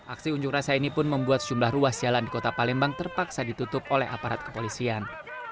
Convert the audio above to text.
aksi unjuk rasa ini pun membuat sejumlah ruas jalan di kota palembang terpaksa ditutup oleh aparat kepolisian